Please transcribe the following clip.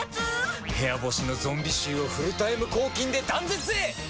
部屋干しのゾンビ臭をフルタイム抗菌で断絶へ！